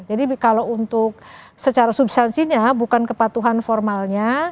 jadi kalau untuk secara substansinya bukan kepatuhan formalnya